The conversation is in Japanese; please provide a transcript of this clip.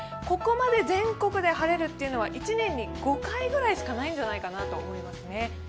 ここまで全国で晴れるというのは１年に５回ぐらいしかないんじゃないでしょうかね。